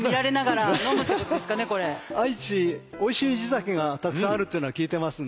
愛知おいしい地酒がたくさんあるっていうのは聞いてますんで。